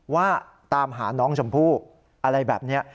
ว่าตามหาน้องชมพู่อะไรแบบนี้